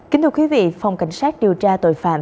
kính thưa quý vị phòng cảnh sát điều tra tội phạm